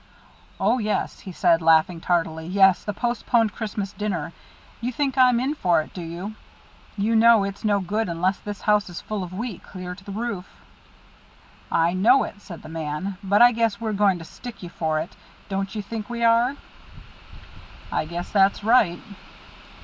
"Oh, yes," he said, laughing tardily. "Yes, the postponed Christmas dinner. You think I'm in for it, do you? You know it's no go unless this house is full of wheat clear to the roof." "I know it," said the man. "But I guess we're going to stick you for it. Don't you think we are?" "I guess that's right."